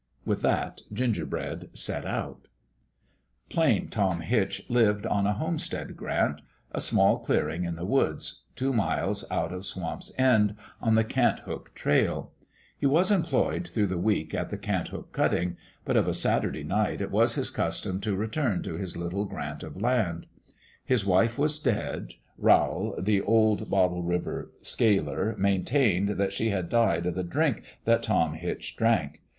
With that Gingerbread set out Plain Tom Hitch lived on a homestead grant a small clearing in the woods two miles out of Swamp's End on the Cant hook trail. He was employed through the week at the Cant hook cutting ; but of a Saturday night it was his custom to return to his little grant of land. His wife was dead. Rowl, the old Bottle River sealer, maintained that she had died of the drink that Tom Hitch drank.